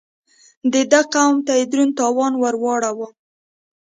د ده قوم ته يې دروند تاوان ور واړاوه.